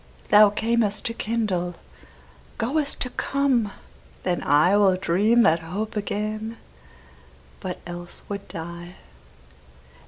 Thou cam'st to kindle, goest to come: then IWill dream that hope again, but else would die.